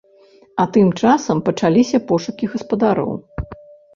А тым часам пачаліся пошукі гаспадароў.